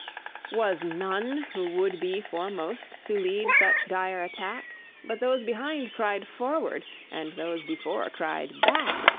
Was none who would be foremost To lead such dire attack? But those behind cried "Forward!" And those before cried "Back!"